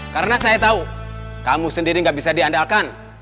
karena saya tahu kamu sendiri nggak bisa diandalkan